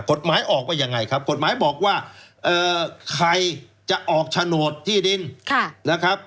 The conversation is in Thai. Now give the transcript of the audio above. กฎหมายออกว่ายังไงครับกฎหมายบอกว่าใครจะออกฉโนตที่ดิน